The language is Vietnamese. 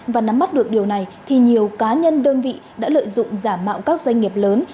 và nắm mắt được điều này thì nhiều cá nhân đơn vị đã lợi dụng giả mạo các doanh nghiệp lớn